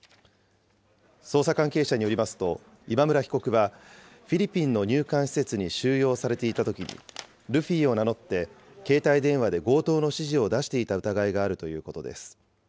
捜査関係者によりますと、今村被告は、フィリピンの入管施設に収容されていたときに、ルフィを名乗って携帯電話で強盗の指示を出していた疑いがあるということです。